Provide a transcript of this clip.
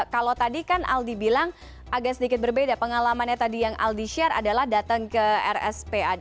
kalau tadi kan aldi bilang agak sedikit berbeda pengalamannya tadi yang aldi share adalah datang ke rspa